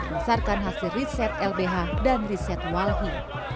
berdasarkan hasil riset lbh dan riset walhi